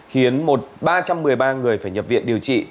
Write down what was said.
khiến ba trăm một mươi ba người phải nhập viện điều trị